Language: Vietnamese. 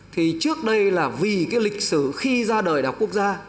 thì trước đây là vì cái lịch sử khi ra đời đại học quốc gia